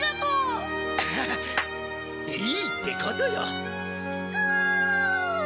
ああいいってことよ。